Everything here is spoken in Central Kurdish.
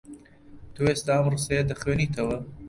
تۆ ئێستا ئەم ڕستەیە دەخوێنیتەوە.